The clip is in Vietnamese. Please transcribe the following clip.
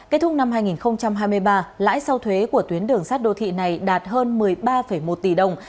kết thúc năm hai nghìn hai mươi ba lãi sau thuế của tuyến đường sát đô thị này đạt hơn một mươi ba một tỷ đồng